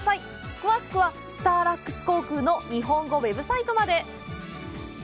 詳しくは、スターラックス航空の日本語ＷＥＢサイトまで。